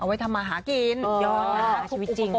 เอาไว้ทำมาหากิน